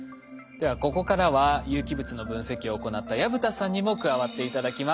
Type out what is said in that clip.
ではここからは有機物の分析を行った薮田さんにも加わって頂きます。